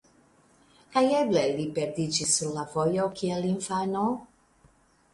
Kaj eble li perdiĝis sur la vojo kiel infano?